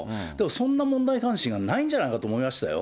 そんな問題に関心がないんじゃないかと思いましたよ。